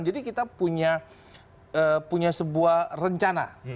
jadi kita punya sebuah rencana